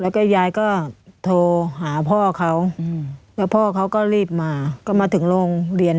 แล้วก็ยายก็โทรหาพ่อเขาแล้วพ่อเขาก็รีบมาก็มาถึงโรงเรียน